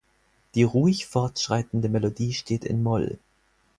Die ruhig fortschreitende Melodie steht in Moll.